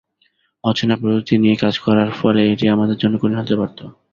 অচেনা প্রযুক্তি নিয়ে কাজ করার ফলে এটি আমাদের জন্য কঠিন হতে পারত।